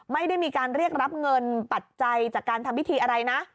ไม่ได้มีการเรียกรับเงินปัจจัยจากการทำพิธีอะไรนะ